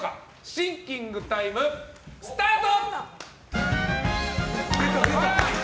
シンキングタイム、スタート！